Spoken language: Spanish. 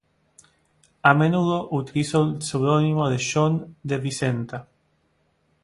A menudo utilizó el pseudónimo de Joan de Vicenta.